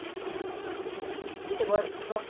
ついてこいほら。